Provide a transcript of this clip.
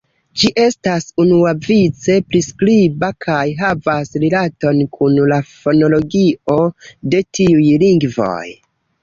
Ĝi estas unuavice priskriba kaj havas rilaton kun la fonologio de tiuj lingvoj.